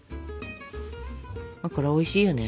これはおいしいよね。